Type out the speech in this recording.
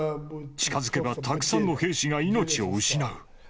近づけばたくさんの兵士が命を失う。